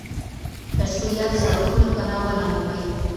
ترڅو ياد ځواکونه پناه و نه مومي.